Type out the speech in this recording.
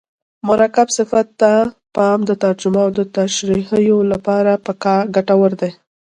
مرکب صفت ته پام د ترجمو او تشریحو له پاره ګټور دئ.